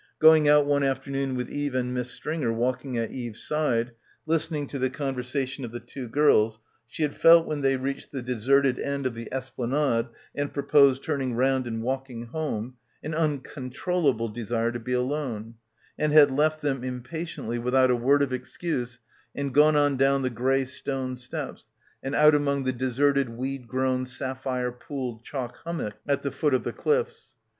Go ing out one afternoon with Eve and Miss Stringer walking at Eve's side, listening to the conversa tion of the two girls, she had felt when they reached the deserted end of the esplanade and pro posed turning round and walking home, an un controllable desire to be alone, and had left them, impatiently, without a word of excuse and gone on down the grey stone steps and out among the deserted weed grown sapphire pooled chalk hum mocks at the foot of the cliffs.